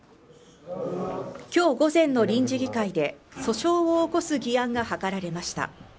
きょう午前の臨時議会で訴訟を起こす議案が諮られました